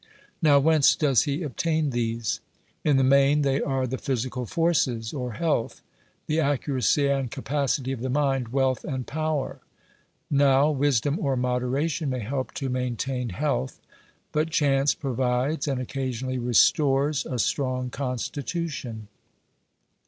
Now, whence does he obtain these ? In the main they are the physical forces, or health, the accuracy and capacity of the mind, wealth and power. Now, wisdom or moderation may help to maintain health, but chance provides, and occasionally restores, a strong constitution.